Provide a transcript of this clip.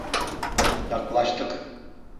Yaklaştık.